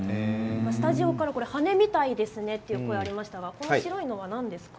スタジオから羽根みたいですねという声がありましたがこの白いのは何ですか？